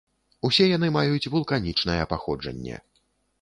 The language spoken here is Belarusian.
Усе яны маюць вулканічнае паходжанне.